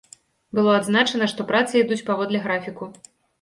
Было адзначана, што працы ідуць паводле графіку.